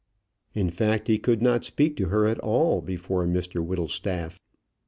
In fact he could not speak to her at all before Mr Whittlestaff.